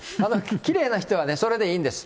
きれいな人はそれでいいんです。